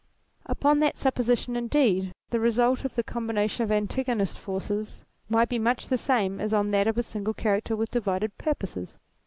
Upon that supposition indeed, the result of the combination of antagonist forces misrht be much o o the same as on that of a single creator with divided purposes.